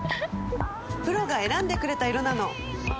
プロが選んでくれた色なの！